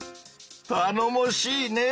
たのもしいねぇ！